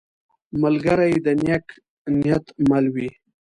ملګری د نیک نیت مل وي